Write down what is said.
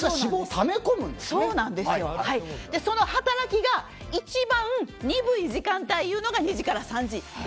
その働きが一番鈍い時間帯いうのが２時から３時。